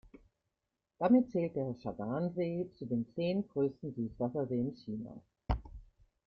Damit zählt der Chagan-See zu den zehn größten Süßwasserseen Chinas.